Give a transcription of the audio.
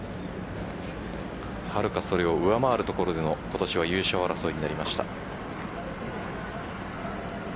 はるかそれを上回るところでの今年は優勝争いになりました。